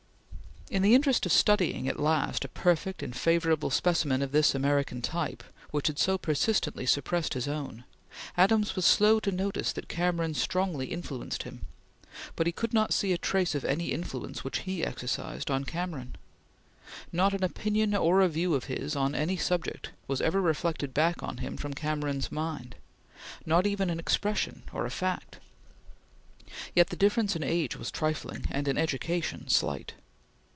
In the interest of studying, at last, a perfect and favorable specimen of this American type which had so persistently suppressed his own, Adams was slow to notice that Cameron strongly influenced him, but he could not see a trace of any influence which he exercised on Cameron. Not an opinion or a view of his on any subject was ever reflected back on him from Cameron's mind; not even an expression or a fact. Yet the difference in age was trifling, and in education slight.